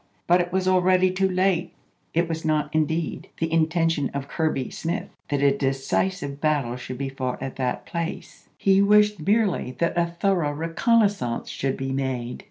But it was al ready too late. It was not, indeed, the intention of Kirby Kirby Smith that a decisive battle should be fought <• Butties at that place. He wished merely that a thorough Leaders." reconnaissance should be made.